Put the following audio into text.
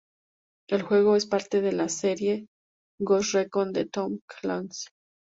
El juego es parte de la serie Ghost Recon de Tom Clancy.